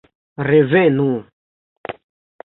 Revenu!!